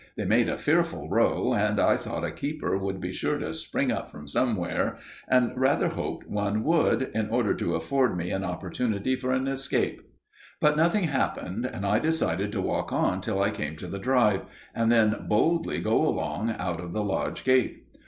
They made a fearful row, and I thought a keeper would be sure to spring up from somewhere, and rather hoped one would, in order to afford me an opportunity for an escape. But nothing happened, and I decided to walk on till I came to the drive, and then boldly go along out of the lodge gate.